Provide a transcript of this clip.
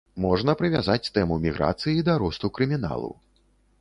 Можна прывязаць тэму міграцыі да росту крыміналу.